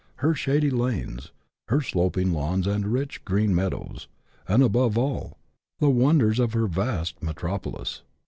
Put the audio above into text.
her shady lanes, her sloping lawns and rich green meadows, and, above all, the wonders of her vast metropolis.